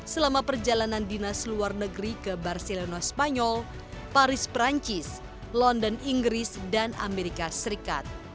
selama perjalanan dinas luar negeri ke barcelona spanyol paris perancis london inggris dan amerika serikat